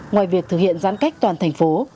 ngoài việc thực hiện giãn cách toàn thành phố